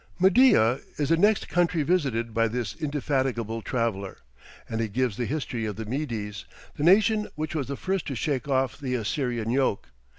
Media is the next country visited by this indefatigable traveller, and he gives the history of the Medes, the nation which was the first to shake off the Assyrian yoke.